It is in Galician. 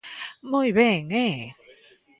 ¡Moi ben!, ¡eh!